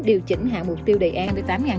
điều chỉnh hạ mục tiêu đề án